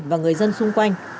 và người dân xung quanh